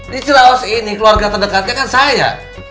di c i m a s ini keluarga terdekatnya kan saya